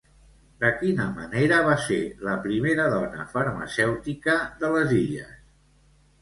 De quina manera va ser la primera dona farmacèutica de les illes?